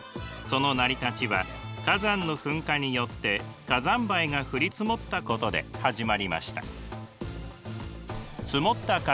その成り立ちは火山の噴火によって火山灰が降り積もったことで始まりました。